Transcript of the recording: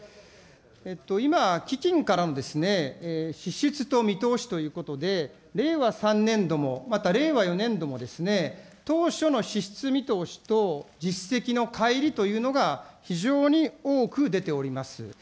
今、基金からの支出と見通しということで、令和３年度も、また令和４年度もですね、当初の支出見通しと実績のかい離というのが非常に多く出ております。